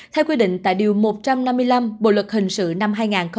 theo quy định tại điều một trăm năm mươi năm bộ luật hình sự năm hai nghìn một mươi năm